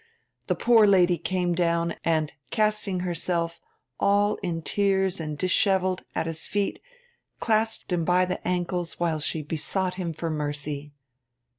The poor lady came down and, casting herself, all in tears and dishevelled, at his feet, clasped him by the ankles while she besought him for mercy.